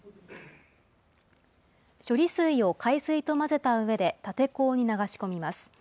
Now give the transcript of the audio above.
処理水を海水と混ぜたうえで立て坑に流し込みます。